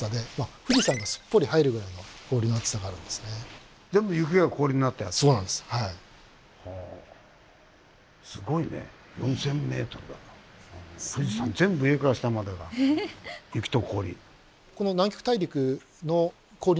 富士山全部上から下までが雪と氷。